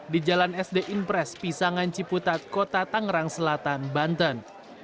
di jalan sd impres pisangan ciputat kota tangerang selatan banten